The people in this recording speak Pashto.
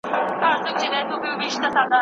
ليتوانيا او استونيا يې هم اشغال کړل.